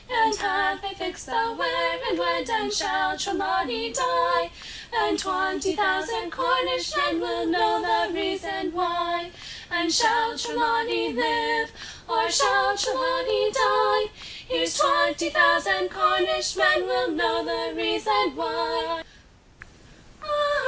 And have they fixed the where and when? And shall Trelawny die? Here's twenty thousand Cornish men Will know the reason why! And shall Trelawny live? Or shall Trelawny die? Here's twenty thousand Cornish men Will know the reason why!